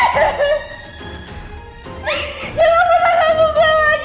jangan pernah kesusahan lagi